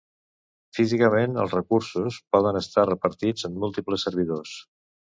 Físicament els recursos poden estar repartits en múltiples servidors.